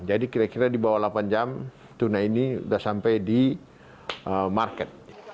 jadi kira kira di bawah lapan jam tuna ini sudah sampai di market